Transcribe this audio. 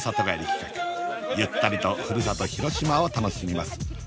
ゆったりと故郷広島を楽しみます